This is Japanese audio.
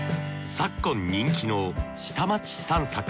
昨今人気の下町散策。